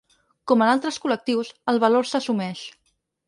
Com en altres col·lectius, el valor s’assumeix.